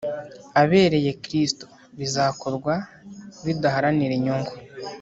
abereye Kristu bizakorwa bidaharanira inyungu